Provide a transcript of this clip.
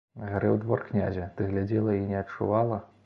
Гарэў двор князя, ты глядзела і не адчувала?